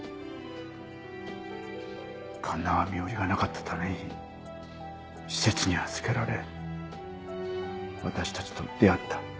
環奈は身寄りがなかったために施設に預けられ私たちと出会った。